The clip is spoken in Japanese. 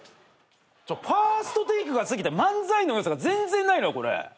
ＦＩＲＳＴＴＡＫＥがすぎて漫才の良さが全然ないのよこれ。